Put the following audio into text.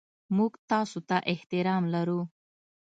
موږ تاسو ته احترام لرو.